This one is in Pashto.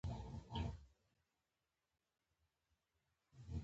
په ځینو هېوادونو کې د سکرو کانونه د سیاسي لانجو سبب شوي.